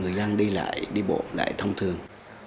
người đang đi lại đi bộ lại thông thường